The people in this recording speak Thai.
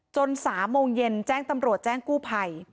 ๓โมงเย็นแจ้งตำรวจแจ้งกู้ภัย